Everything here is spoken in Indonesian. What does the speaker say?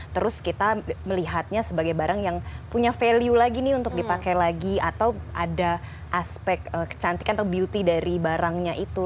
terus kita melihatnya sebagai barang yang punya value lagi nih untuk dipakai lagi atau ada aspek kecantikan atau beauty dari barangnya itu